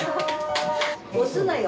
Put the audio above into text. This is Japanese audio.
押すなよ。